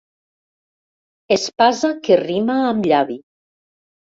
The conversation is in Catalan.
Espasa que rima amb llavi.